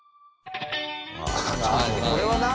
「これはな」